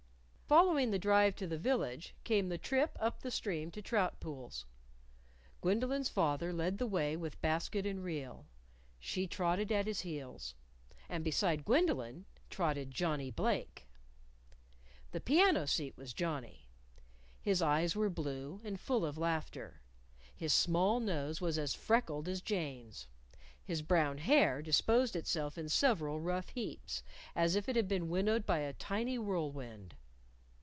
Following the drive to the village came the trip up the stream to trout pools. Gwendolyn's father led the way with basket and reel. She trotted at his heels. And beside Gwendolyn trotted Johnnie Blake. The piano seat was Johnnie. His eyes were blue, and full of laughter. His small nose was as freckled as Jane's. His brown hair disposed itself in several rough heaps, as if it had been winnowed by a tiny whirlwind.